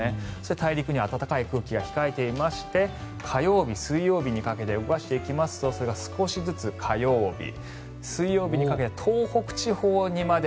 大陸には暖かい空気が控えていまして火曜日、水曜日にかけて動かしていくとそれが少しずつ火曜日、水曜日にかけて東北地方にまで。